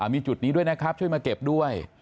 มีจุดนี้ด้วยนะครับช่วยมาเก็บด้วย